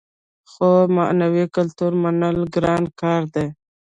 خو معنوي کلتور منل ګران کار دی.